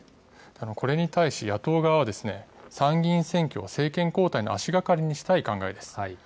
これに対し野党側は、参議院選挙を政権交代の足がかりにしたい考えです。